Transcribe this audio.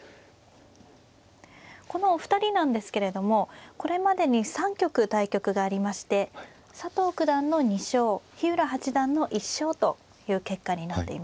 このお二人なんですけれどもこれまでに３局対局がありまして佐藤九段の２勝日浦八段の１勝という結果になっていますね。